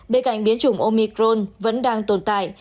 bên cạnh biến chủng omicron vẫn đang tồn tại